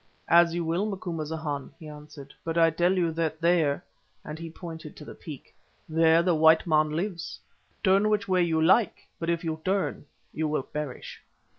"As you will, Macumazahn," he answered; "but I tell you that there"—and he pointed to the peak—"there the white man lives. Turn which way you like, but if you turn you will perish."